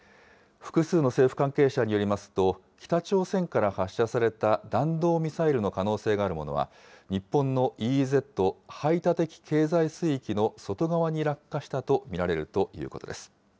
複数の政府関係者によりますと、北朝鮮から発射された弾道ミサイルの可能性のあるものは、日本のＥＥＺ・排他的経済水域の外側に落下したと見られるということです。